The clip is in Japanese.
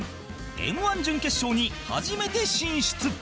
Ｍ−１ 準決勝に初めて進出